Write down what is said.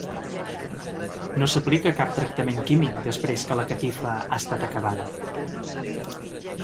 No s'aplica cap tractament químic després que la catifa ha estat acabada.